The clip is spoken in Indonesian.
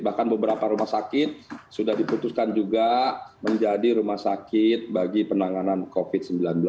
bahkan beberapa rumah sakit sudah diputuskan juga menjadi rumah sakit bagi penanganan covid sembilan belas